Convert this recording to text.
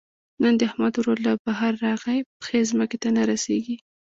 نن د احمد ورور له بهر راغی؛ پښې ځمکې ته نه رسېږي.